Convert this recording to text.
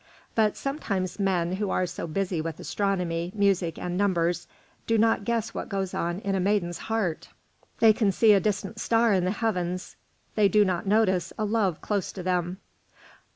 But sometimes men, who are so busy with astronomy, music, and numbers, do not guess what goes on in a maiden's heart. They can see a distant star in the heavens; they do not notice a love close to them.